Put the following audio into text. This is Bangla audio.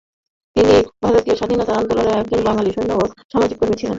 তিনি ভারতীয় স্বাধীনতা আন্দোলনের একজন বাঙালি সৈনিক ও সমাজকর্মী ছিলেন।